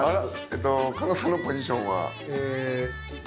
えっと狩野さんのポジションは？